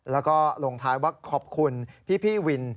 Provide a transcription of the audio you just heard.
แล้วก็ลงท้ายว่าขอบคุณพี่วิน